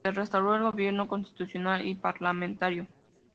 Se restauró el gobierno constitucional y parlamentario.